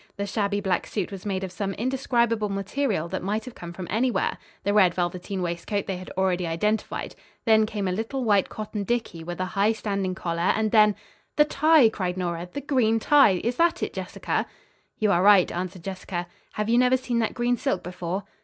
The shabby black suit was made of some indescribable material that might have come from anywhere. The red velveteen waistcoat they had already identified. Then came a little white cotton dickey, with a high standing collar and then "The tie!" cried Nora. "The green tie! Is that it, Jessica?" "You are right," answered Jessica. "Have you never seen that green silk before?"